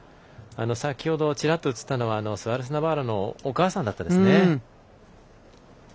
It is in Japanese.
先ほど、ちらっと映ったのはスアレスナバーロのお母さんでしたね。